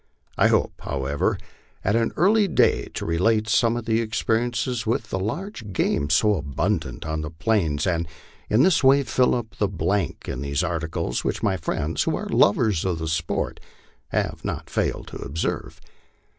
I hope, however, at an early day to relate some of my experiences with the large game so abundant on the plains, and in this way (ill up a blank in these articles which my friends who are lovers of sport have not failed to observe.